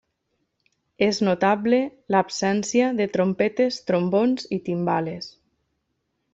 És notable l’absència de trompetes, trombons i timbales.